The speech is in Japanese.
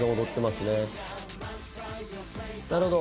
なるほど。